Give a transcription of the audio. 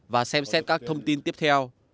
và xem xét các thông tin tiếp theo